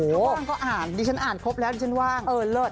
ถ้าว่างก็อ่านดิฉันอ่านครบแล้วดิฉันว่างเลิศ